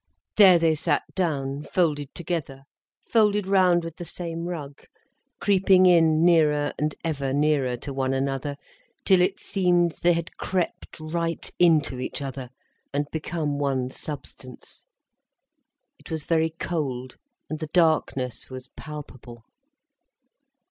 There they sat down, folded together, folded round with the same rug, creeping in nearer and ever nearer to one another, till it seemed they had crept right into each other, and become one substance. It was very cold, and the darkness was palpable.